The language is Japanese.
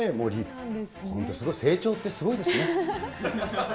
成長ってすごいですね。